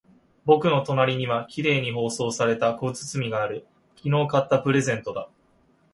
僕の隣には綺麗に包装された小包がある。昨日買ったプレゼントだ。